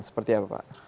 seperti apa pak